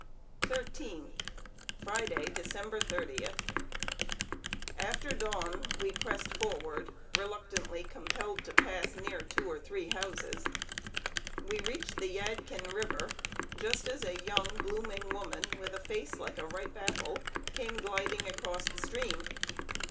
XIII. Friday, December 30. [Sidenote: CROSSING THE YADKIN RIVER.] After dawn, we pressed forward, reluctantly compelled to pass near two or three houses. We reached the Yadkin River just as a young, blooming woman, with a face like a ripe apple, came gliding across the stream.